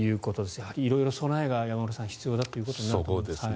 やはり色々備えが、山村さん必要ということになりますね。